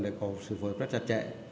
để có sự phối kết chặt chẽ